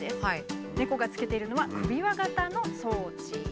猫がつけているのは首輪型の装置。